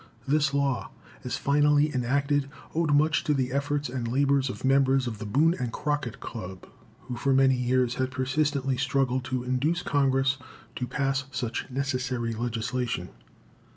This law, as finally enacted, owed much to the efforts and labor of members of the Boone and Crockett Club, who for many years had persistently struggled to induce Congress to pass such necessary legislation.